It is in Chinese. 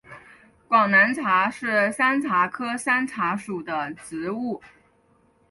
广南茶是山茶科山茶属的植物。